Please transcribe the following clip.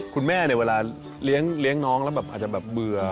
คุณแม่เวลาเลี้ยงน้องแล้วอาจจะเบื่อ